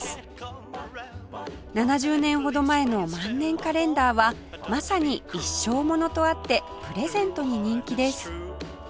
７０年ほど前の万年カレンダーはまさに一生ものとあってプレゼントに人気です